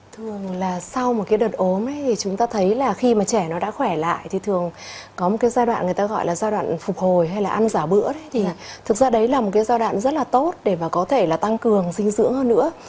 thường là sau một cái đợt ốm thì chúng ta thấy là khi mà trẻ nó đã khỏe lại thì thường có một cái giai đoạn người ta gọi là giai đoạn phục hồi hay là ăn giả bữa thì thực ra đấy là một cái giai đoạn rất là tốt để mà có thể là tăng cường dinh dưỡng hơn nữa